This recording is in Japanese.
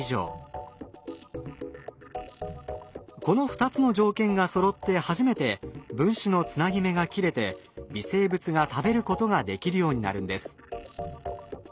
この２つの条件がそろって初めて分子のつなぎ目が切れて微生物が食べることができるようになるんです。